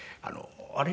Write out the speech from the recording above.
「あれ？」